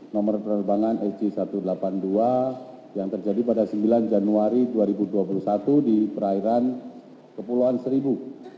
nomor penerbangan sj satu ratus delapan puluh dua yang terjadi pada sembilan januari dua ribu dua puluh satu di perairan kepulauan seribu